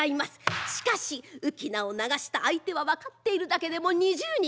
しかし浮き名を流した相手は分かっているだけでも２０人。